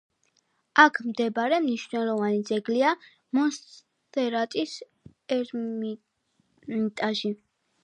აქ მდებარე მნიშვნელოვანი ძეგლია მონსერატის ერმიტაჟი.